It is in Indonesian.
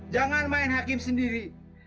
jangan main hakim sendiri